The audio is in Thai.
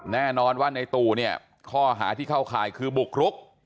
แน่นอนว่าในตู่เนี่ยข้อหาที่เข้าข่ายคือบุกรุก